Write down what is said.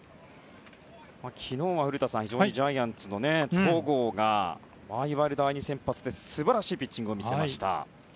古田さん、昨日はジャイアンツの戸郷がいわゆる第２先発で素晴らしいピッチングを見せました。